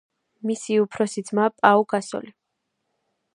მისი უფროსი ძმა პაუ გასოლი.